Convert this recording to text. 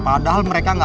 padahal mereka gak tau